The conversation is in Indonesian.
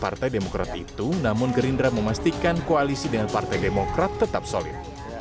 partai demokrat itu namun gerindra memastikan koalisi dengan partai demokrat tetap solid